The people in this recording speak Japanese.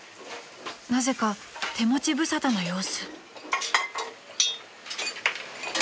［なぜか手持ち無沙汰の様子］